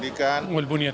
dan untuk sponsornya